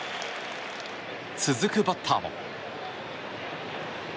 続くバッターも。